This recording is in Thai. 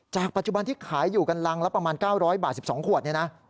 ปัจจุบันที่ขายอยู่กันรังละประมาณ๙๐๐บาท๑๒ขวดเนี่ยนะ